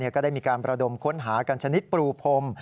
ก็ได้มีการประดมค้นหากันชนิดปรูพรม